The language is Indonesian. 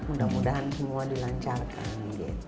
mudah mudahan semua dilancarkan